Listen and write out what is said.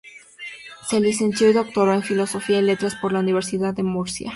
Se licenció y doctoró en Filosofía y Letras por la Universidad de Murcia.